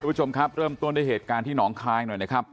คุณผู้ชมครับเริ่มต้นด้วยเหตุการณ์ที่หนองคายหน่อยนะครับ